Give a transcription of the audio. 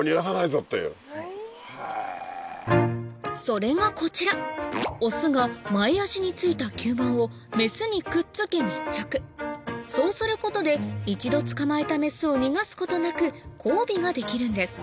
それがこちらオスが前脚に付いた吸盤をメスにくっつけ密着そうすることで一度捕まえたメスを逃がすことなく交尾ができるんです